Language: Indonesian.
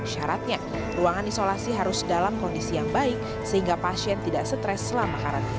syaratnya ruangan isolasi harus dalam kondisi yang baik sehingga pasien tidak stres selama karantina